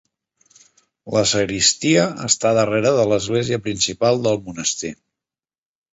La sagristia està darrere de l'església principal del monestir.